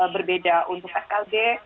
berbeda untuk skb